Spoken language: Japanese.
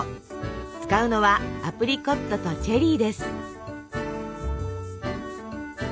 使うのはアプリコットとチェリーです。